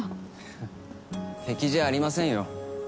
ははっ敵じゃありませんよ。